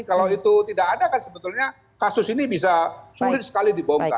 kalau itu tidak ada kan sebetulnya kasus ini bisa sulit sekali dibongkar